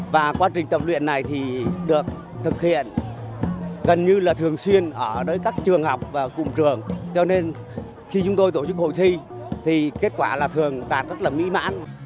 và quá trình tập luyện này thì được thực hiện gần như là thường xuyên ở các trường học và cùng trường cho nên khi chúng tôi tổ chức hội thi thì kết quả là thường tàn rất là mỹ mãn